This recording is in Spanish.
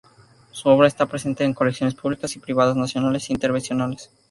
Su obra esta presente en colecciones públicas y privadas nacionales e internacionales.